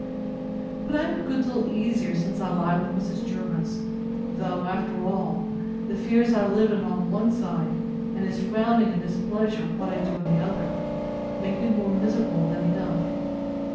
But I am a good deal easier since I lie with Mrs. Jervis; though, after all, the fears I live in on one side, and his frowning and displeasure at what I do on the other, make me more miserable than enough.